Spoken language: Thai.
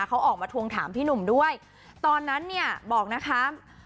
เขาออกมาทวงถามพี่หนุ่มด้วยตอนนั้นเนี่ยบอกนะคะ